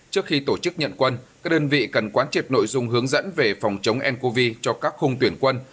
trước khi tổ chức nhận quân các đơn vị cần quán triệp nội dung hướng dẫn về phòng chống ncov cho các khung tuyển quân